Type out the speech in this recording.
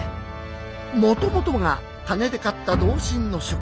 もともとが金で買った同心の職。